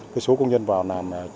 cái số công nhân vào làm